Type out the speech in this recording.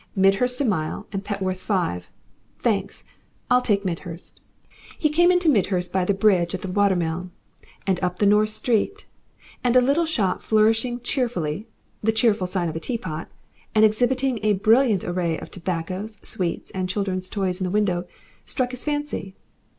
"Midhurst a mile, and Petworth five! Thenks, I'll take Midhurst." He came into Midhurst by the bridge at the watermill, and up the North Street, and a little shop flourishing cheerfully, the cheerful sign of a teapot, and exhibiting a brilliant array of tobaccos, sweets, and children's toys in the window, struck his fancy.